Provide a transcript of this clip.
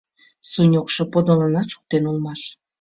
Суньогшо подылынат шуктен улмаш.